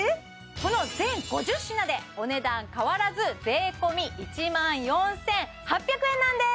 この全５０品でお値段変わらず税込１万４８００円なんです！